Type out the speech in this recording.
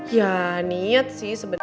ya niat sih sebenernya